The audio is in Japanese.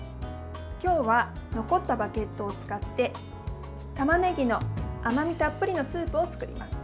今日は、残ったバゲットを使ってたまねぎの甘みたっぷりのスープを作ります。